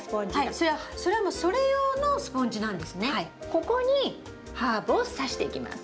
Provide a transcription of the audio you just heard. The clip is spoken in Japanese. ここにハーブをさしていきます。